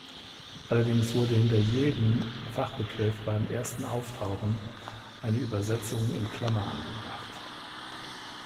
Allerdings wurde hinter jeden Fachbegriff beim ersten Auftauchen eine Übersetzung in Klammer angebracht.